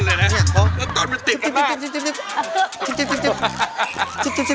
แล้วตอนปลูกมันติดขนาด